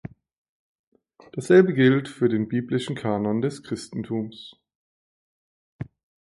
Dasselbe gilt für den biblischen Kanon des Christentums.